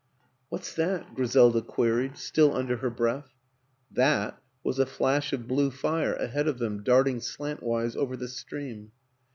"What's that?" Griselda queried, still under her breath. " That " was a flash of blue fire ahead of them darting slantwise over the stream.